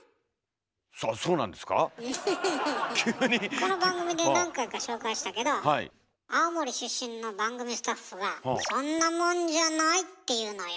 この番組で何回か紹介したけど青森出身の番組スタッフが「そんなもんじゃない！」って言うのよ。